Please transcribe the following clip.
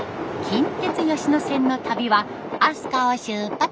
近鉄吉野線の旅は飛鳥を出発！